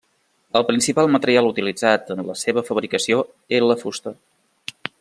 El principal material utilitzat en la seva fabricació era la fusta.